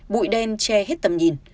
bụi đen che hết tầm nhìn